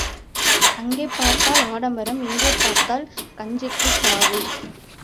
அங்கே பார்த்தால் ஆடம்பரம் இங்கே பார்த்தால் கஞ்சிக்குச் சாவு.